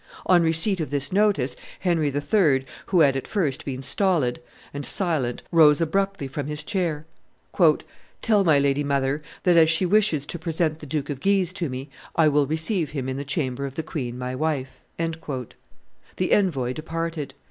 On receipt of this notice, Henry III., who had at first been stolid and silent, rose abruptly from his chair. "Tell my lady mother that, as she wishes to present the Duke of Guise to me, I will receive him in the chamber of the queen my wife." The envoy departed.